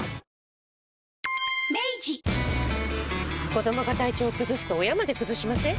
子どもが体調崩すと親まで崩しません？